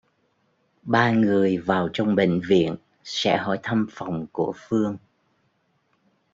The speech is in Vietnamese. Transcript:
ba người vàotrong bệnh viện sẽ hỏi thăm phòng của Phương